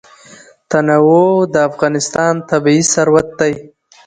تنوع د افغانستان طبعي ثروت دی.